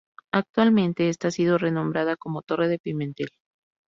Actualmente esta ha sido renombrada como Torre de Pimentel.